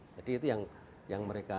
jadi itu yang mereka